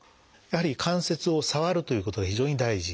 やはり関節を触るということは非常に大事。